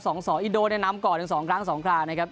อิโดนีเซียนำก่อนถึง๒ครั้ง๒ครานะครับ